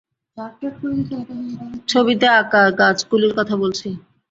ছবিতে আঁকা গাছগুলির কথা বলছি।